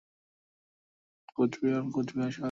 এর সদর দফতর কোচবিহার জেলার কোচবিহার শহরে অবস্থিত।